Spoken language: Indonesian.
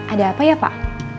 ada apa ya pak